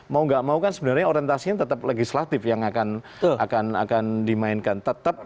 mau nggak mau kan sebenarnya orientasinya tetap legislatif yang akan dimainkan